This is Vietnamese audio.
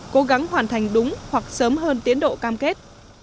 cố gắng hoàn thành đúng hoặc sớm hơn tiến độ cam kết